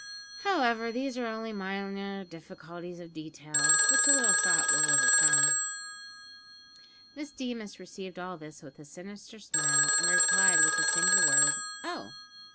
However, these are only minor difficulties of detail, which a little thought will overcome." Miss Deemas received all this with a sinister smile, and replied with the single word, "Oh!"